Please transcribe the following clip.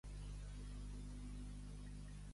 A Lasquarri, gavatxos.